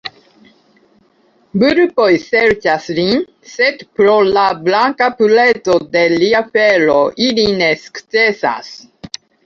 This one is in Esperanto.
Vulpoj serĉas rin, sed pro la blanka pureco de ria felo, ili ne sukcesas.